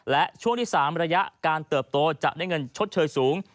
และช่วงที่๓ระยะการเติบโตจะได้เงินชดเชยสูง